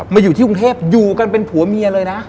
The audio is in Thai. อยู่ที่กรุงเทพอยู่กันเป็นผัวเมียเลยนะ